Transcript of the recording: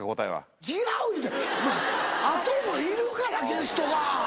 あともいるからゲストが。